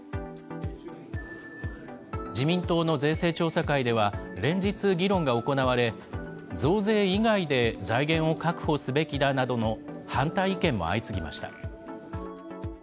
自民党の税制調査会では、連日、議論が行われ、増税以外で財源を確保すべきだなどの反対意見も相次ぎました。